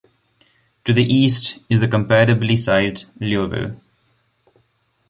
To the east is the comparably sized Liouville.